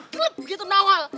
gelap begitu nangol